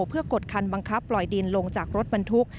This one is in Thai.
เพื่อกดคันบังคับปล่อยดินลงจากรถบรรทุก